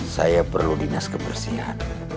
saya perlu dinas kebersihan